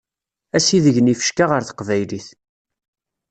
Asideg n yifecka ɣer teqbaylit.